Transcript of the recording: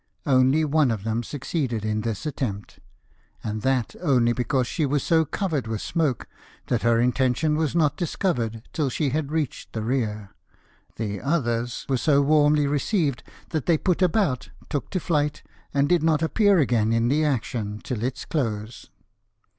Only one of them succeeded in this attempt, and that only because she was so covered with smoke that her intention was not discovered till she had reached the rear ; the others were so warmly received that they put about, took to flight, and did not appear again in the action till its close.